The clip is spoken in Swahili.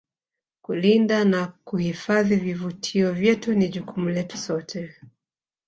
kulinda na kuhifadhi vivutio vyetu ni jukumu letu sote